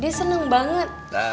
dia seneng banget